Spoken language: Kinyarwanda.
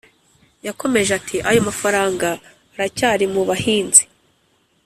yakomeje ati ayo mafaranga aracyari mu bahinzi